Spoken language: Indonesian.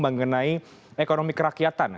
mengenai ekonomi kerakyatan